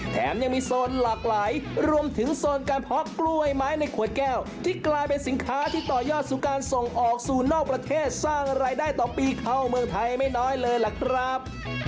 แถมยังมีโซนหลากหลายรวมถึงโซนการเพาะกล้วยไม้ในขวดแก้วที่กลายเป็นสินค้าที่ต่อยอดสู่การส่งออกสู่นอกประเทศสร้างรายได้ต่อปีเข้าเมืองไทยไม่น้อยเลยล่ะครับ